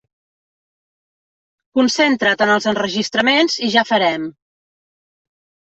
Concentra't en els enregistraments i ja farem.